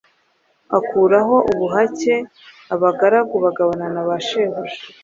akuraho ubuhake abagaragu bagabana na bashebuja,